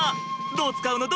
どう使うの？